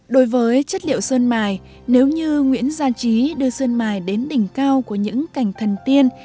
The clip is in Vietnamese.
đối với chất liệu sơn mài nếu như nguyễn gia trí đưa sơn mài đến đỉnh cao của những cảnh thần tiên